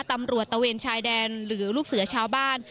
ตำรวจตะเวนชายแดนหรือลูกเสือชาวบ้าน